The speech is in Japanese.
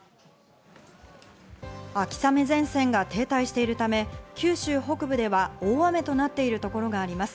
秋雨前線が停滞しているため、九州北部では大雨となっているところがあります。